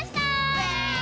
イエーイ！